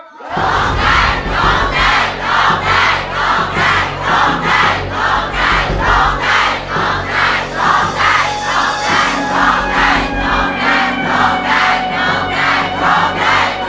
ร้องได้ร้องได้ร้องได้ร้องได้